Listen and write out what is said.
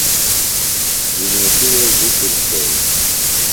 جُمیتیۡ وے ذکِر تھوئی